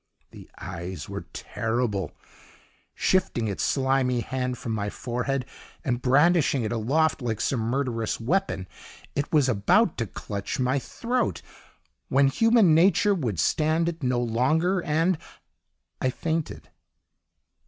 "The eyes were TERRIBLE! Shifting its slimy hand from my forehead, and brandishing it aloft like some murderous weapon, it was about to clutch my throat, when human nature would stand it no longer and I fainted.